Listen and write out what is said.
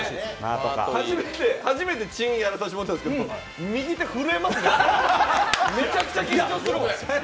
初めてチーンやらさせてもらったんですけど右手震えますね、めちゃくちゃ緊張します。